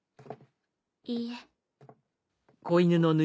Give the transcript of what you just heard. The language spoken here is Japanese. いいえ。